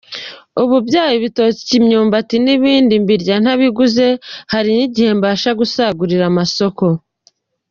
Ubu byaba ibitoki, imyumbati n’ibindi mbirya ntabiguze, hari n’igihe mbasha gusagurira amasoko”.